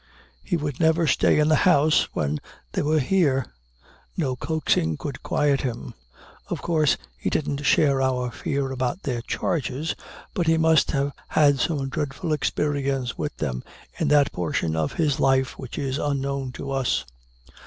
He would never stay in the house when they were here. No coaxing could quiet him. Of course he didn't share our fear about their charges, but he must have had some dreadful experience with them in that portion of his life which is unknown to us.